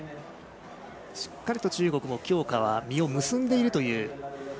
しっかりと中国も強化は実を結んでいるという。